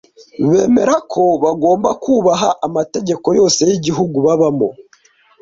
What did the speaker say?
Bemera ko bagomba kubaha amategeko yose y’igihugu babamo